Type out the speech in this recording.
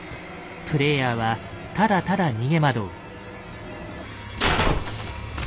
プレイヤーはただただ逃げ惑う。